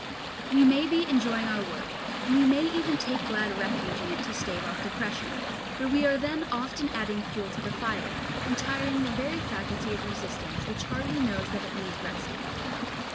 We may be enjoying our work, and we may even take glad refuge in it to stave off depression, but we are then often adding fuel to the fire, and tiring the very faculty of resistance, which hardly knows that it needs resting.